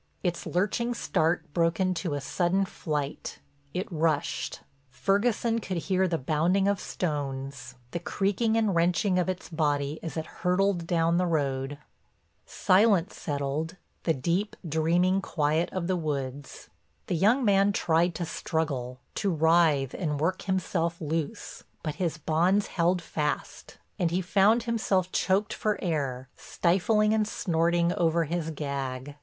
Its lurching start broke into a sudden flight, it rushed; Ferguson could hear the bounding of stones, the creaking and wrenching of its body as it hurtled down the road. [Illustration: Ferguson saw him in silhouette, a large, humped body with bent head] Silence settled, the deep, dreaming quiet of the woods. The young man tried to struggle, to writhe and work himself loose, but his bonds held fast, and he found himself choked for air, stifling and snorting over his gag.